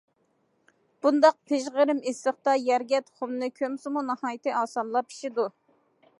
بۇنداق پىژغىرىم ئىسسىقتا يەرگە تۇخۇمنى كۆمسىمۇ ناھايىتى ئاسانلا پىشىدۇ.